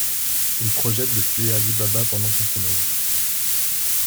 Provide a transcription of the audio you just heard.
Ils projettent de tuer Ali Baba pendant son sommeil.